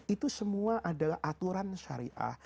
itu semua adalah aturan syariah